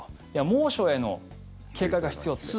猛暑への警戒が必要って。